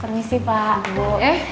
terima kasih pak bu